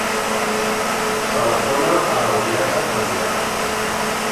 Telefona a la Brianna Aguiar.